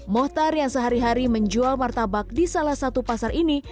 mohtar yang sehari hari menjual martabak di salah satu pasar ini